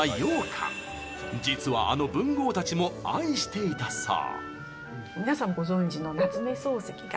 実は、あの文豪たちも愛していたそう。